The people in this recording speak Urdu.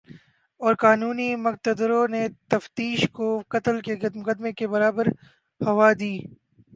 اور قانونی مقتدروں نے تفتیش کو قتل کے مقدمے کے برابر ہوا دی